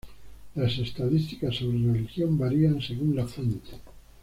Las estadísticas sobre religión varían según la fuente.